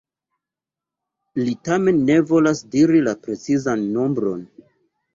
Li tamen ne volas diri la precizan nombron.